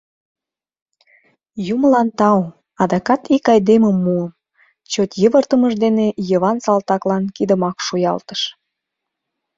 — Юмылан тау, адакат ик айдемым муым! — чот йывыртымыж дене Йыван салтаклан кидымак шуялтыш.